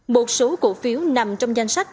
một số cổ phiếu nằm trong danh sách